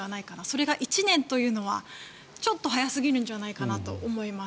それが１年というのはちょっと早すぎるんじゃないかと思います。